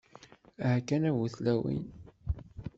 Aha kan a bu-tlawin!